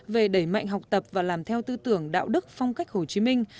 về đẩy mạnh học tập và làm theo tư tưởng đạo đức phong cách hồ chí minh